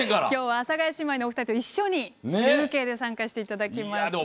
きょうは阿佐ヶ谷姉妹のお二人と一緒に中継で参加していただきます。